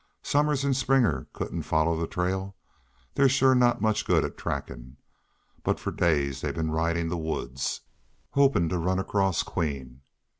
Somers an' Springer couldn't follow the trail. They're shore not much good at trackin'. But for days they've been ridin' the woods, hopin' to run across Queen....